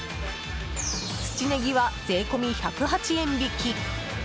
土ネギは税込み１０８円引き。